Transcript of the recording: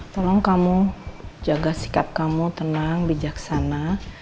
tolong kamu jaga sikap kamu tenang bijaksana